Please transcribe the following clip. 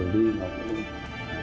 tỉnh lãnh đồng chí quyết